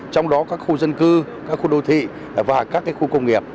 trong đó các khu dân cư các khu đô thị và các khu công nghiệp